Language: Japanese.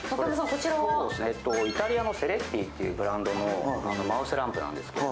イタリアのセレッティというブランドのマウスランプなんですけど。